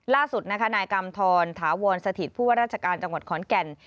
ล่าสุดนะคะนายกำธรถาวรสถิตผู้ว่าราชการจังหวัดขอนแก่น